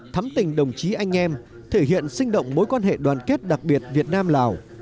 thắm tình đồng chí anh em thể hiện sinh động mối quan hệ đoàn kết đặc biệt việt nam lào